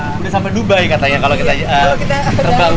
sudah sampai dubai katanya kalau kita terbang